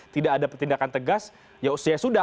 tidak ada petindakan tegas ya sudah